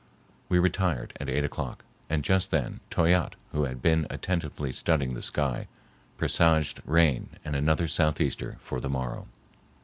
We retired at eight o'clock, and just then Toyatte, who had been attentively studying the sky, presaged rain and another southeaster for the morrow.